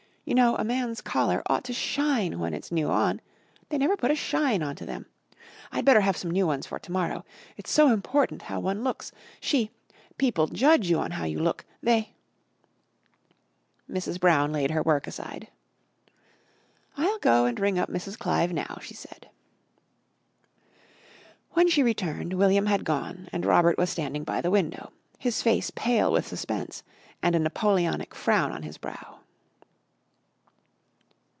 You know, a man's collar ought to shine when it's new on. They never put a shine on to them. I'd better have some new ones for to morrow. It's so important, how one looks. She people judge you on how you look. They " Mrs. Brown laid her work aside. "I'll go and ring up Mrs. Clive now," she said. When she returned, William had gone and Robert was standing by the window, his face pale with suspense, and a Napoleonic frown on his brow.